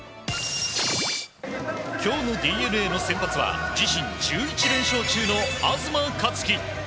今日のＤｅＮＡの先発は自身１１連勝中の東克樹。